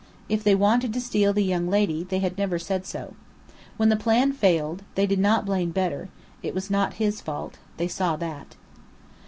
If they wanted to steal the young lady, they had never said so. When the plan failed, they did not blame Bedr. It was not his fault. They saw that.